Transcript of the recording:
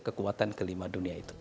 kekuatan kelima dunia itu